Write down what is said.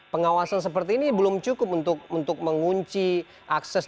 pengawasan seperti ini belum cukup untuk mengunci akses